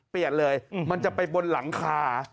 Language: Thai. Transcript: เปลี่ยนเลยมันจะไปบนหลังคา